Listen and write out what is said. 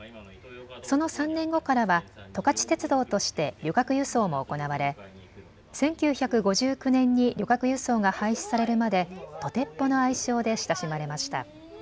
その３年後からは十勝鉄道として旅客輸送も行われ１９５９年に旅客輸送が廃止されるまでとてっぽの愛称で親しまれました。